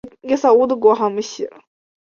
斯巴达的国家体系基本上已完全军事化。